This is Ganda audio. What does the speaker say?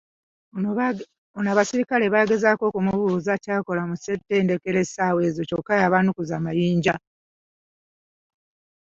Ono abasirikale baagezaako okumubuuza ky'akola mu ssettendekero essawa ezo kyokka yabaanukuza mayinja.